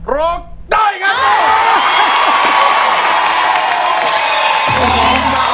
ล้มได้ไง